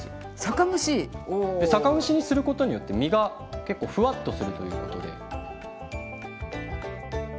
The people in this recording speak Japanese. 酒蒸しにすることによって身が結構フワッとするということで。